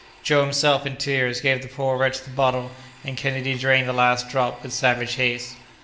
Joe, himself in tears, gave the poor wretch the bottle, and Kennedy drained the last drop with savage haste.